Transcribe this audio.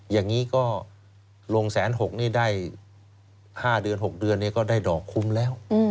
อย่างนี้ก็ลงแสนหกได้๕๖เดือนก็ได้ดอกคุ้มแล้ว